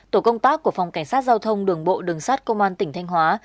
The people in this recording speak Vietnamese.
tổ công tác của phòng cảnh sát giao thông đường bộ đường sát công an tỉnh thanh hóa